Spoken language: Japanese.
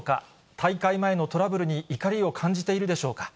大会前のトラブルに怒りを感じているでしょうか。